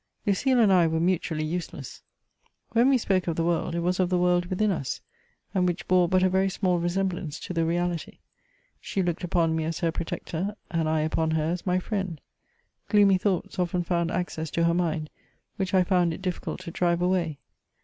Lucile and I were mutually useless. When we spoke of the world, it was of the w<»rld within us — ^and which bore but a very small resemblance to the reality. She looked upon me as her protector, and I upon her as my friend. Gloomy thoughts often found access to her mind, which I found it difficult to drive away.